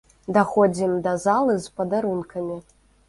Даходзім да залы з падарункамі.